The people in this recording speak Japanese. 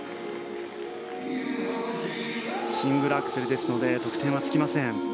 シングルアクセルですので得点はつきません。